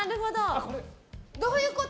どういうこと？